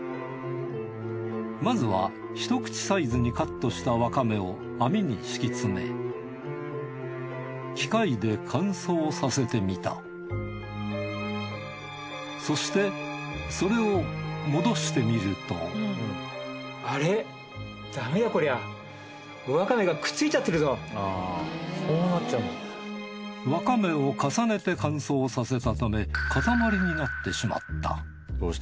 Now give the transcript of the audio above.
まずはひと口サイズにカットしたわかめを網に敷き詰め機械で乾燥させてみたそしてそれを戻して見るとわかめを重ねて乾燥させたため塊になってしまった。